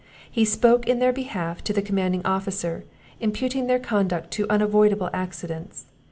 He spoke in their behalf to the commanding officer, imputing their conduct to unavoidable accidents.